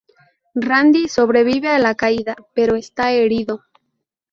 Randy sobrevive a la caída, pero está herido.